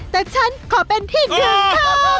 แต่ฉันกอเป็นที่เมีย